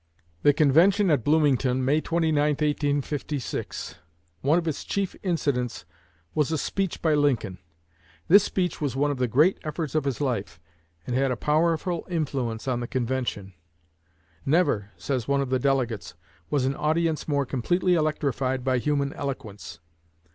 The convention met at Bloomington, May 29, 1856. One of its chief incidents was a speech by Lincoln. This speech was one of the great efforts of his life, and had a powerful influence on the convention. "Never," says one of the delegates, "was an audience more completely electrified by human eloquence.